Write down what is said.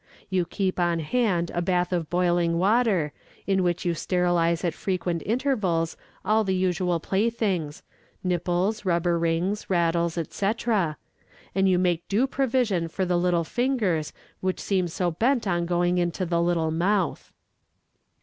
You keep on hand a bath of boiling water in which you sterilize at frequent intervals all the usual playthings nipples, rubber rings, rattles, etc.; and you make due provision for the little fingers which seem so bent on going into the little mouth.